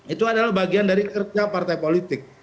itu adalah bagian dari kerja partai politik